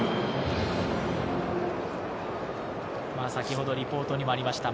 先ほどリポートにもありました